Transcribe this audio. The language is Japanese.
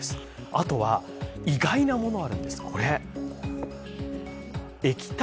あとは、意外なものあるんです、これ。